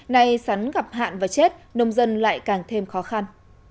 nay sắn gặp hạn và chết nông dân lại càng thêm khó khăn